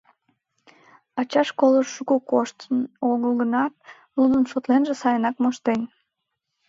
Ача школыш шуко коштын огыл гынат, лудын-шотленже сайынак моштен.